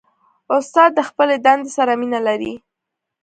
استاد د خپلې دندې سره مینه لري.